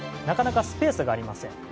なかなかスペースがありません。